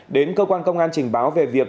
đến cơ quan công an trình báo về việc